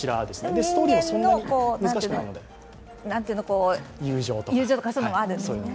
人間の友情とかもあるんですね。